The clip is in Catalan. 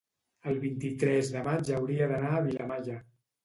el vint-i-tres de maig hauria d'anar a Vilamalla.